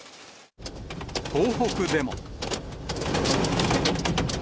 東北でも。